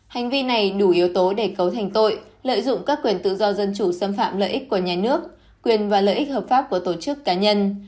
hành vi này đủ yếu tố để cấu thành tội lợi dụng các quyền tự do dân chủ xâm phạm lợi ích của nhà nước quyền và lợi ích hợp pháp của tổ chức cá nhân